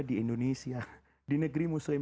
di indonesia di negeri muslim